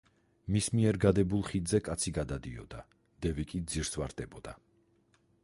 მის მიერ გადებულ ხიდზე კაცი გადადიოდა; დევი კი ძირს ვარდებოდა.